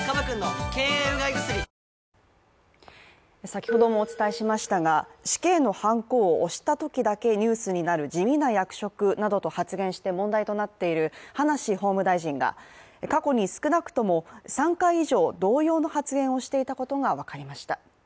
先ほどもお伝えしましたが死刑のはんこを押したときだけニュースになる地味な役職などと発言して問題となっている葉梨法務大臣が過去に少なくとも３回以上同様の発言をしていたことが分かりました。